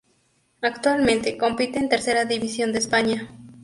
Actualmente compite en Tercera División de España.